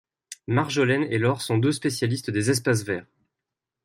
Marjolaine et Laure sont deux spécialistes des espaces verts.